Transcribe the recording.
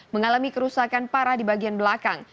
mengalami kerusakan parah di bagian belakang